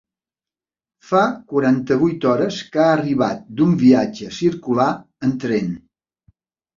Fa quaranta-vuit hores que ha arribat d'un viatge circular en tren.